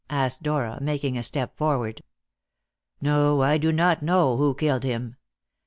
asked Dora, making a step forward. "No, I do not know who killed him.